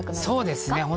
そうですね。